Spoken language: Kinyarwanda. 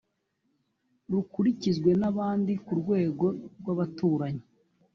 rukurikizwe n abandi ku rwego rw abaturanyi